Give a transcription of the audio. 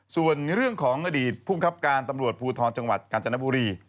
ส่วนเรื่องของอดีตภูมิครับการตำรวจภูทรจังหวัดกาญจนบุรี